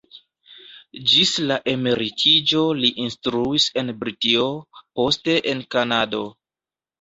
Ĝis la emeritiĝo li instruis en Britio, poste en Kanado.